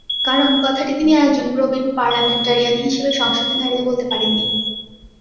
কারণ, কথাটি তিনি একজন প্রবীণ পার্লামেন্টারিয়ান হিসেবে সংসদে দাঁড়িয়ে বলতে পারেননি।